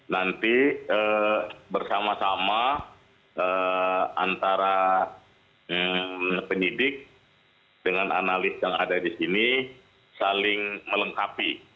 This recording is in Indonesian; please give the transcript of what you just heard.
nanti bersama sama antara penyidik dengan analis yang ada di sini saling melengkapi